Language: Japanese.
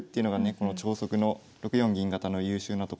この超速の６四銀型の優秀なところなんですけど。